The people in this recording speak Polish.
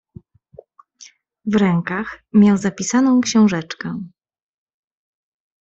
"W rękach miał zapisaną książeczkę."